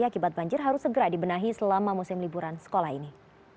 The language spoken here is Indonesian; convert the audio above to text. akibat banjir harus segera dibenahi selama musim liburan sekolah ini